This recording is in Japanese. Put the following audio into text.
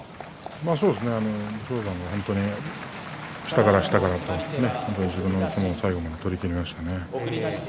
武将山が下から下から自分の相撲を最後まで取りきりましたね。